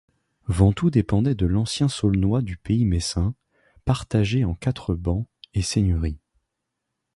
Vantoux dépendait de l'ancien Saulnois du pays messin, partagé en quatre bans et seigneuries.